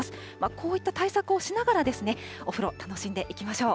こういった対策をしながら、お風呂、楽しんでいきましょう。